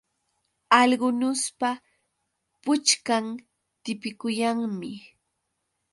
Algunuspa puchkan tipikuyanmi.